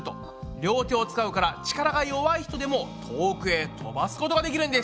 両手を使うから力が弱い人でも遠くへとばすことができるんです。